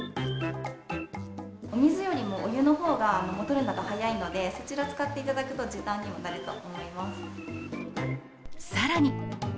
お水よりもお湯のほうが、戻るのが早いので、そちら使っていただくと、時短にもなると思いさらに。